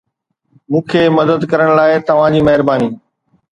مون کي مدد ڪرڻ لاء توهان جي مهرباني